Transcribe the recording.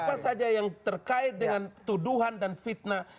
apa saja yang terkait dengan tuduhan dan fitnah